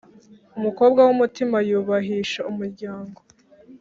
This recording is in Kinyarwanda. Umukobwa w’umutima yubahisha umuryango.